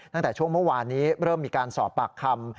ตั้งแต่ช่วงเมื่อวานนี้เริ่มมีการสอบปากคำ